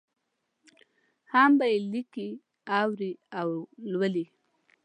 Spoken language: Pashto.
هم به یې لیکي، اوري او لولي.